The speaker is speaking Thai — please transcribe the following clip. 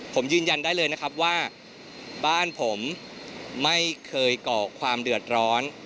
ผมยืนยันได้เลยนะครับว่าบ้านผมไม่เคยก่อความเดือดร้อน